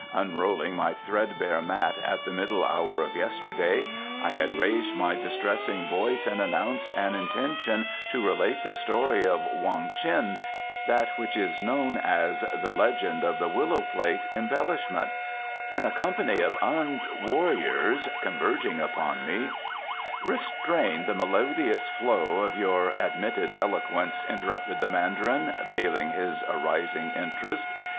Unrolling my threadbare mat at the middle hour of yesterday, I had raised my distressing voice and announced an intention to relate the Story of Wong Ts'in, that which is known as 'The Legend of the Willow Plate Embellishment,' when a company of armed warriors, converging upon me " "Restrain the melodious flow of your admitted eloquence," interrupted the Mandarin, veiling his arising interest.